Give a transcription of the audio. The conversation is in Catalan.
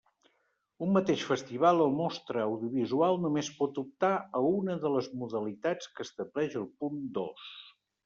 Un mateix festival o mostra audiovisual només pot optar a una de les modalitats que estableix el punt dos.